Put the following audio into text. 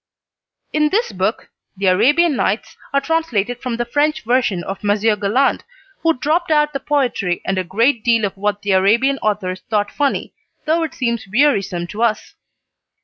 In this book "The Arabian Nights" are translated from the French version of Monsieur Galland, who dropped out the poetry and a great deal of what the Arabian authors thought funny, though it seems wearisome to us.